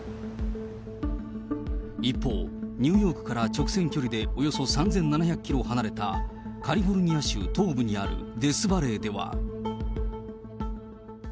一方、ニューヨークから直線距離でおよそ３７００キロ離れたカリフォルニア州東部にあるデスバレーでは。